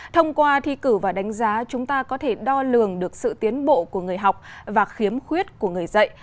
thông qua thi cử và đánh giá chúng ta có thể đo lường được sự tiến bộ của người học và khiếm khuyết của người dạy